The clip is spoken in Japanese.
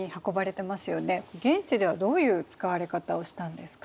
現地ではどういう使われ方をしたんですか？